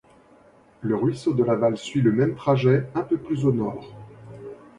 Le ruisseau de Laval suit le même trajet un peu plus au nord.